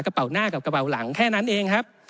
กระเป๋าหน้ากับกระเป๋าหลังแค่นั้นเองครับ